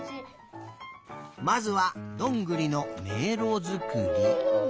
まずはどんぐりのめいろづくり。